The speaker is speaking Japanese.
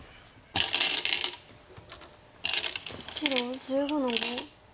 白１５の五。